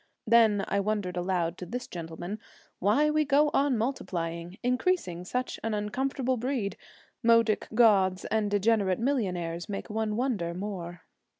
Then I wondered aloud to this gentleman why we go on multiplying increasing such an uncomfortable breed. Modoc gods and degenerate millionaires make one wonder more.'